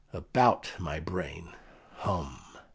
"About, my brain! Hum!